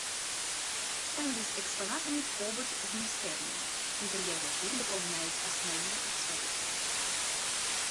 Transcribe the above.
Стэнды з экспанатамі побач з майстэрнямі, інтэр'ер якіх дапаўняюць асноўныя экспазіцыі.